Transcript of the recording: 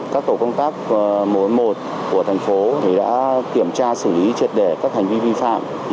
các tổ công tác một trăm bốn mươi một của thành phố đã kiểm tra xử lý trật đề các hành vi vi phạm